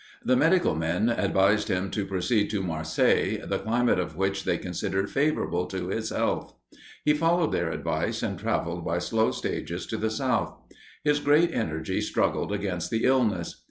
The medical men advised him to proceed to Marseilles, the climate of which they considered favourable to his health. He followed their advice, and travelled by slow stages to the south. His great energy struggled against the illness.